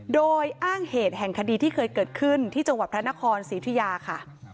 โดยอ้างเหตุแห่งคดีที่เคยเกิดขึ้นที่จังหวัดพระนครศรีอุทิยาค่ะ